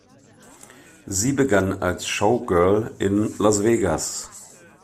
Sie begann als Showgirl in Las Vegas.